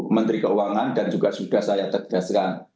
menteri keuangan dan juga sudah saya tegaskan